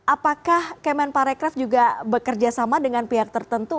apakah kemenparecraft juga bekerja sama dengan pihak tertentu